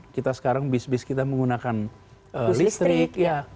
kita sekarang bis bis kita menggunakan listrik